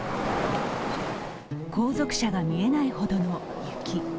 後続車が見えないほどの雪。